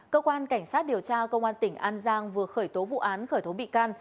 cơ quan cảnh sát điều tra công an tỉnh an giang vừa khởi tố vụ án khởi tố bị can